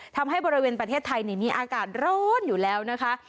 ทำให้บริเวณประเทศไทยมีอากาศร้อนอยู่แล้วนะคะ